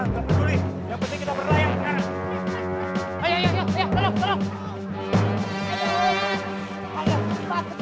gak peduli yang penting kita berlayar sekarang